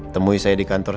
temui saya di kantor saya